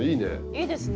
いいですね。